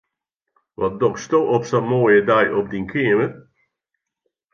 Wat dochsto op sa'n moaie dei op dyn keamer?